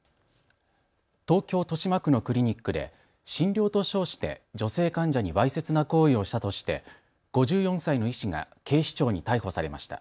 東京豊島区のクリニックで診療と称して女性患者にわいせつな行為をしたとして５４歳の医師が警視庁に逮捕されました。